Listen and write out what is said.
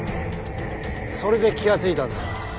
それで気が付いたんだよ。